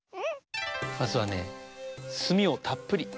まずはねすみをたっぷりつけて。